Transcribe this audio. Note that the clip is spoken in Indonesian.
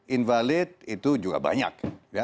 invalid itu juga banyak